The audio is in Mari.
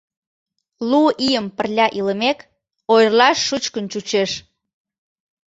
Лу ийым пырля илымек, ойырлаш шучкын чучеш.